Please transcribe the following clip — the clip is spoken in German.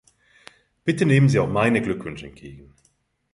Bitte nehmen Sie auch meine Glückwünsche entgegen.